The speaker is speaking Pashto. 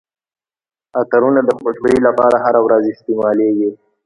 عطرونه د خوشبويي لپاره هره ورځ استعمالیږي.